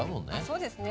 そうですね。